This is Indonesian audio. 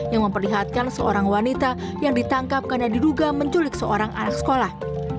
yang memperlihatkan seorang wanita yang ditangkap karena diduga menculik seorang anak sekolah